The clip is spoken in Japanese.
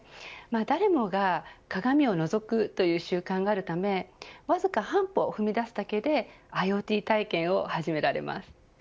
誰もが鏡をのぞくという習慣があるためわずか半歩踏み出すだけでＩｏＴ体験を始められます。